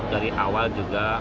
dari awal juga